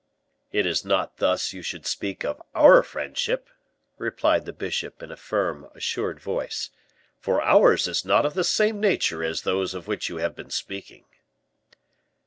"It is not thus you should speak of our friendship," replied the bishop, in a firm, assured voice; "for ours is not of the same nature as those of which you have been speaking."